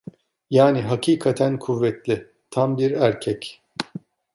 Yani hakikaten kuvvetli, tam bir erkek.